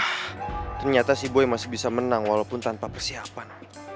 ternyata si boya masih bisa menang walaupun tanpa persiapan